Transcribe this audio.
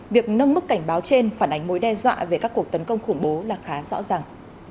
việc nâng mức cảnh báo trên phản ánh mối đe dọa về các cuộc tấn công khủng bố là khá rõ ràng